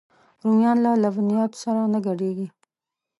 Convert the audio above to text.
رومیان له لبنیاتو سره نه ګډېږي